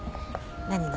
何が？